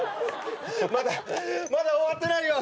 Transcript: まだまだ終わってないよ！